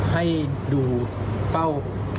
ให้ดูเป้า